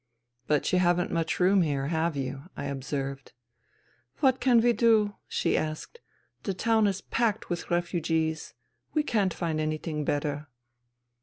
" But you haven't much room here, have you ?" I observed. " What can we do ?she asked. " The town is packed with refugees. We can't find anything better."